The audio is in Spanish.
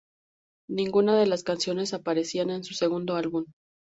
Ninguna de las canciones aparecerían en su segundo álbum.